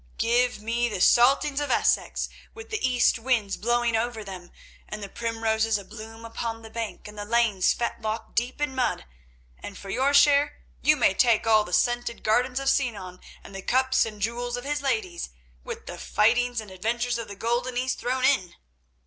Give me the Saltings of Essex with the east winds blowing over them, and the primroses abloom upon the bank, and the lanes fetlock deep in mud, and for your share you may take all the scented gardens of Sinan and the cups and jewels of his ladies, with the fightings and adventures of the golden East thrown in."